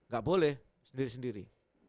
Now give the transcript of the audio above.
gak boleh sendiri sendiri